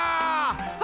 あ！